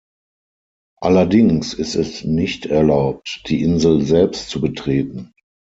Allerdings ist es nicht erlaubt die Insel selbst zu betreten.